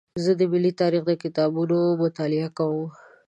زه د ملي تاریخ د کتابونو مطالعه کوم.